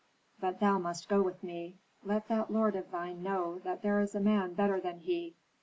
But thou must go with me. Let that lord of thine know that there is a man better than he.